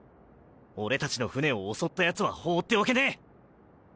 俺たちの船を襲ったヤツは放っておけねえ！